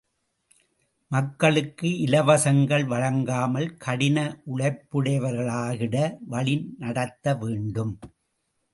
மக்களுக்கு இலவசங்கள் வழங்காமல் கடின உழைப்புடையவர்களாகிட வழி நடத்த வேண்டும்.